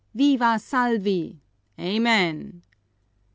"Viva Salvi!" "Amen!"